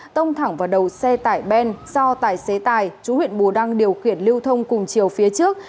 tông thẳng vào đầu xe tải ben do tài xế tài chú huyện bù đăng điều khiển lưu thông cùng chiều phía trước